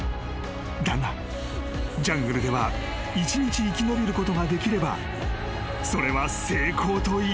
［だがジャングルでは１日生き延びることができればそれは成功といえるのだ］